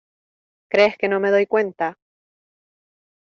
¿ crees que no me doy cuenta?